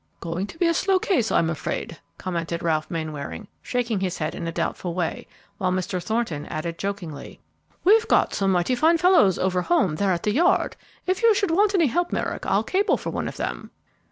"Going to be a slow case, I'm afraid," commented Ralph Mainwaring, shaking his head in a doubtful way, while Mr. Thornton added jokingly, "We've got some mighty fine fellows over home there at the Yard; if you should want any help, Mr. Merrick, I'll cable for one of them."